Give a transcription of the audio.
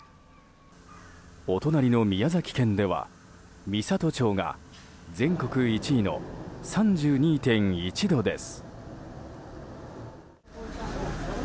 お隣の宮崎県では美郷町が全国１位の３２．１度です。